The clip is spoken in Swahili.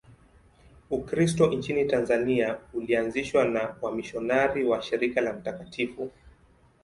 Ukristo nchini Tanzania ulianzishwa na wamisionari wa Shirika la Mt.